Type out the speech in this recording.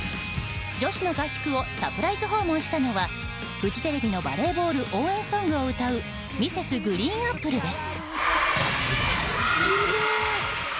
女子の合宿をサプライズ訪問したのはフジテレビのバレーボール応援ソングを歌うＭｒｓ．ＧＲＥＥＮＡＰＰＬＥです。